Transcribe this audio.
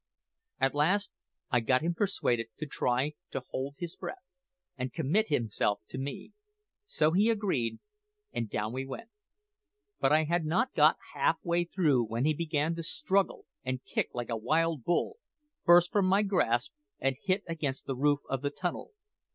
At last I got him persuaded to try to hold his breath, and commit himself to me; so he agreed, and down we went. But I had not got half way through when he began to struggle and kick like a wild bull, burst from my grasp, and hit against the roof of the tunnel.